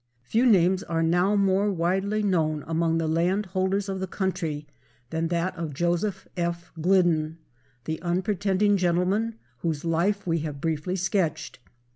Few names are now more widely known among the land holders of the country than that of Joseph F. Glidden, the unpretending gentleman whose life we have briefly sketched.